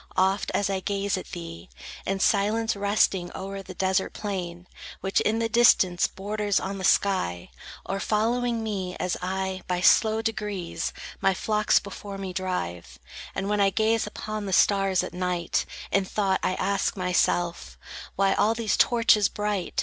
Oft as I gaze at thee, In silence resting o'er the desert plain, Which in the distance borders on the sky, Or following me, as I, by slow degrees, My flocks before me drive; And when I gaze upon the stars at night, In thought I ask myself, "Why all these torches bright?